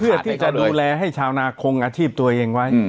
เพื่อที่จะดูแลให้ชาวนาคงอาชีพตัวเองไว้